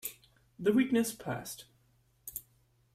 The weakness passed.